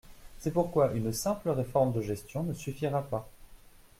C’est pourquoi une simple réforme de gestion ne suffira pas.